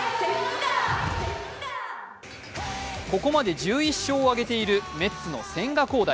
ここまで１１勝を挙げているメッツの千賀滉大。